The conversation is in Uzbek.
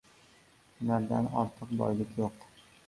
• Hunardan ortiq boylik yo‘q.